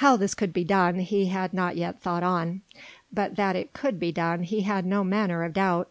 How this could be done he had not yet thought on; but that it could be done he had no manner of doubt.